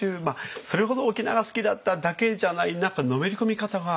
それほど沖縄が好きだっただけじゃない何かのめり込み方がすごいなと思って。